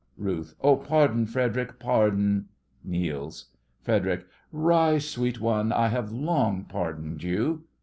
RUTH: Oh, pardon! Frederic, pardon! (Kneels) FREDERIC: Rise, sweet one, I have long pardoned you.